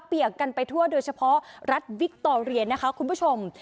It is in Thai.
เปียกกันไปทั่วโดยเฉพาะรัฐวิคตอเรียนนะคะคุณผู้ชม